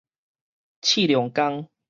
刺龍公